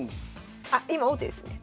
あ今王手ですね。